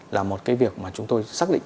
là một cái việc mà chúng tôi xác định